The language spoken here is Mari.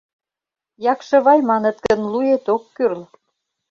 — «Якшывай» маныт гын, луэт ок кӱрл.